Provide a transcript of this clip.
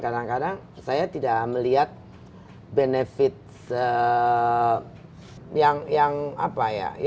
kadang kadang saya tidak melihat benefit yang apa ya